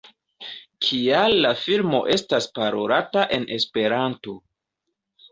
Kial la filmo estas parolata en Esperanto?